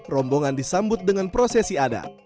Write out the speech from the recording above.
rombongan disambut dengan prosesi adat